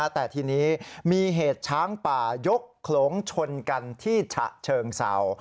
แต่ทีนี้มีเหตุช้างป่ายกโขลงชนกันที่ฉะเชิงเศร้า